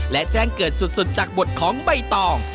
และแจ้งเกิดสุดจากบทของใบตอง